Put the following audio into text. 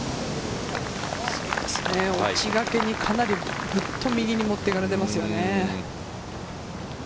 落ちがけに、かなり右に持っていかれますよね。